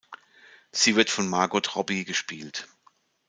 Sie wird von Margot Robbie gespielt.